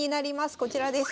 こちらです。